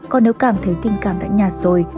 còn nếu cảm thấy tình cảm đã nhạt rồi